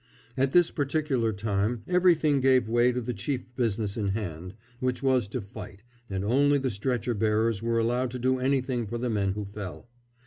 At this particular time everything gave way to the chief business in hand, which was to fight, and only the stretcher bearers were allowed to do anything for the men who fell.